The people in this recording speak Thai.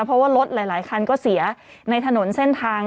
เพราะว่ารถหลายคันก็เสียในถนนเส้นทาง